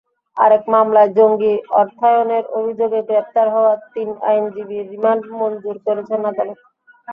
আরেক মামলায় জঙ্গি অর্থায়নের অভিযোগে গ্রেপ্তার হওয়া তিন আইনজীবীর রিমান্ড মঞ্জুর করেছেন আদালত।